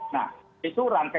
nah itu rancang